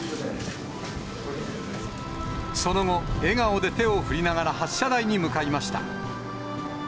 その後、笑顔で手を振りながら発射台に向かいました。